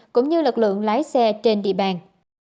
cũng như lực lượng lái xe trên địa bàn